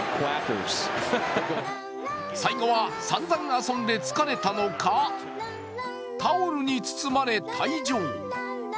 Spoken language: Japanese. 最後は、散々遊んで疲れたのか、タオルに包まれ退場。